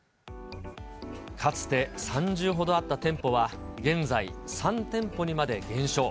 かつて３０ほどあった店舗は現在、３店舗にまで減少。